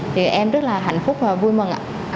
thì em rất là hạnh phúc và vui mừng ạ